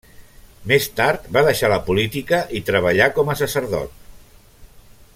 Més tard, va deixar la política i treballà com a sacerdot.